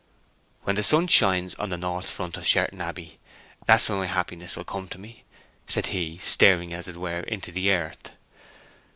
"When the sun shines on the north front of Sherton Abbey—that's when my happiness will come to me!" said he, staring as it were into the earth.